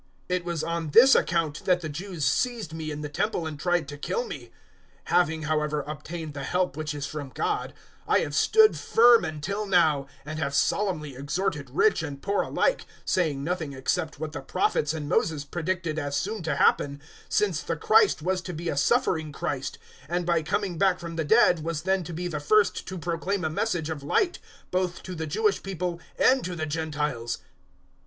026:021 "It was on this account that the Jews seized me in the Temple and tried to kill me. 026:022 Having, however, obtained the help which is from God, I have stood firm until now, and have solemnly exhorted rich and poor alike, saying nothing except what the Prophets and Moses predicted as soon to happen, 026:023 since the Christ was to be a suffering Christ, and by coming back from the dead was then to be the first to proclaim a message of light both to the Jewish people and to the Gentiles."